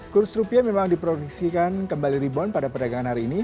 kurs rupiah memang diproduksikan kembali rebound pada perdagangan hari ini